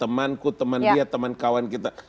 temanku teman dia teman kawan kita